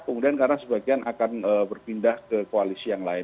kemudian karena sebagian akan berpindah ke koalisi yang lain